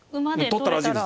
取ったら味いいです。